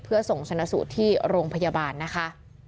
เพื่อส่งชนะสูตรที่โรงพยาบาลนะคะ